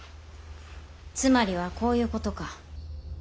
つまりはこういうことか。